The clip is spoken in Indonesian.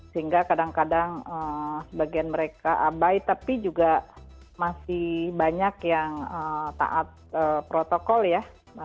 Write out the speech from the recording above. sehingga kadang kadang sebagian mereka abai tapi juga masih banyak yang taat protokol ya